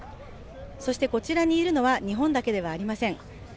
そしてこちらにいるのは日本だけではありません。